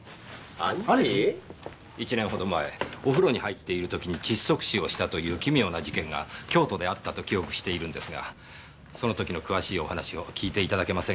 兄貴ィ⁉１年前お風呂に入ってるときに窒息死したという奇妙な事件が京都であったと記憶してるんですがそのときの詳しいお話を訊いていただけませんか？